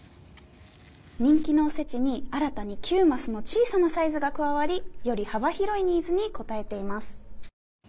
人気のお節に新たに９マスの小さなサイズが加わりより幅広いニーズに応えています。